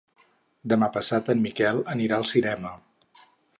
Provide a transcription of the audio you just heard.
Demà passat en Miquel anirà al cinema.